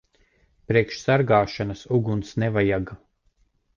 Priekš sargāšanas uguns nevajaga.